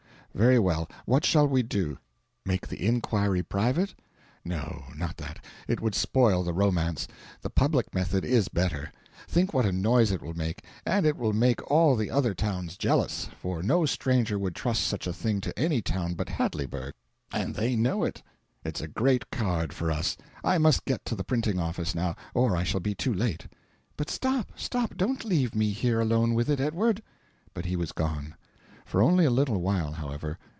Very well, what shall we do make the inquiry private? No, not that; it would spoil the romance. The public method is better. Think what a noise it will make! And it will make all the other towns jealous; for no stranger would trust such a thing to any town but Hadleyburg, and they know it. It's a great card for us. I must get to the printing office now, or I shall be too late." "But stop stop don't leave me here alone with it, Edward!" But he was gone. For only a little while, however.